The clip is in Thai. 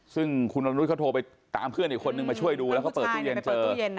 ซึ่งคุณวันรุษเขาโทรไปตามเพื่อนอีกคนนึงมาช่วยดูแล้วเขาเปิดตู้เย็นเจอ